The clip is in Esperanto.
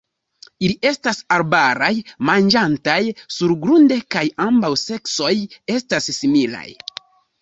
Ili estas arbaraj, manĝantaj surgrunde, kaj ambaŭ seksoj estas similaj.